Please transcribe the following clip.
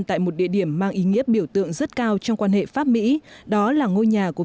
tại một địa điểm mang ý nghĩa biểu tượng rất cao trong quan hệ pháp mỹ đó là ngôi nhà của